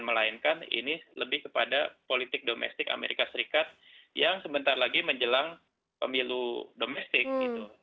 melainkan ini lebih kepada politik domestik amerika serikat yang sebentar lagi menjelang pemilu domestik gitu